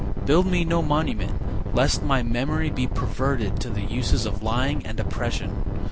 Build me no monument Lest my memory be perverted to the uses Of lying and oppression.